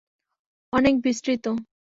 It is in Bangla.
অনেক বিস্তৃত।